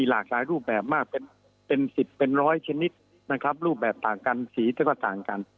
หลากหลายรูปแบบมากเป็น๑๐เป็นร้อยชนิดนะครับรูปแบบต่างกันสีจะก็ต่างกัน